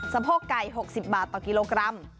โพกไก่๖๐บาทต่อกิโลกรัม